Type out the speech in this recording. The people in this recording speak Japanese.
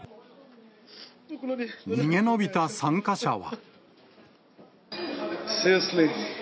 逃げ延びた参加者は。